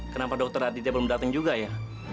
kenapa dokter aditya belum datang juga ya